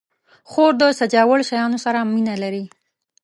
خور د سجاوړ شیانو سره مینه لري.